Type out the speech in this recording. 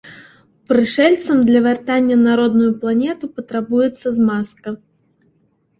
Прышэльцам для вяртання на родную планету патрабуецца змазка.